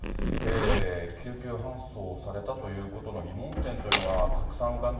救急搬送されたということの疑問点というのがたくさん浮かん